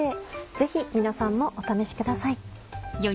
ぜひ皆さんもお試しください。